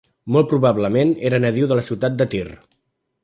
Molt probablement era nadiu de la ciutat de Tir.